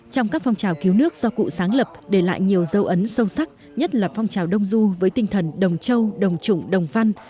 trong các phong trào cứu nước do cụ sáng lập để lại nhiều dấu ấn sâu sắc nhất là phong trào đông du với tinh thần đồng châu đồng trụng đồng văn